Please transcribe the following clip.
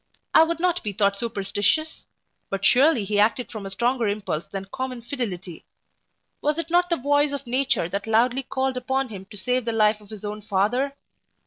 I would not be thought superstitious; but surely he acted from a stronger impulse than common fidelity. Was it not the voice of nature that loudly called upon him to save the life of his own father?